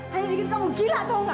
hanya bikin kamu gila tahu gak